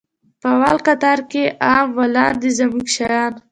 په اول کتار کښې يې ام و لاندې زموږ شيان.